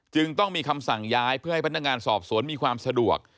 จึงต้องมีคำสั่งย้ายเพื่อให้พนักงานสอบสวนมีความสะดวก